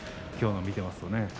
きょうの見ていますと。